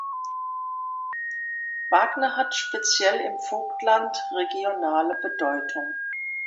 Wagner hat speziell im Vogtland regionale Bedeutung.